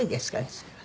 それはね。